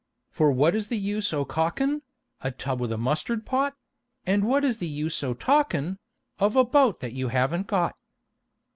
For what is the use o' calkin' A tub with a mustard pot And what is the use o' talkin' Of a boat that you haven't got?